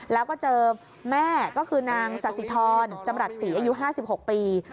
แล้วก็เจอแม่ก็คือนางสาธิธรจำรัฐศรีอายุ๕๖ปี